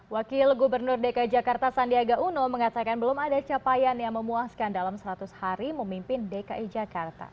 wakil gubernur dki jakarta sandiaga uno mengatakan belum ada capaian yang memuaskan dalam seratus hari memimpin dki jakarta